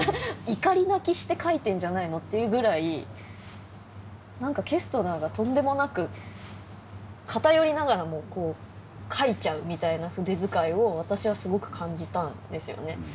「怒り泣きして書いてんじゃないの」っていうぐらい何かケストナーがとんでもなく偏りながらもこう書いちゃうみたいな筆遣いを私はすごく感じたんですよね。